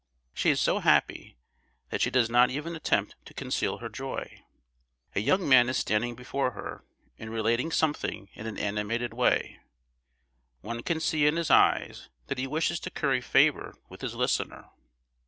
She is so happy, that she does not even attempt to conceal her joy. A young man is standing before her and relating something in an animated way; one can see in his eyes that he wishes to curry favour with his listener.